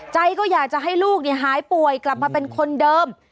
ใจก็อยากจะให้ลูกหายป่วยกลับมาเป็นคนเดิม